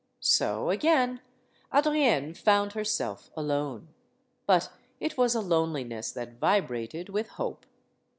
So, again, Adrienne found herself alone. But it was a loneliness that vibrated with hope.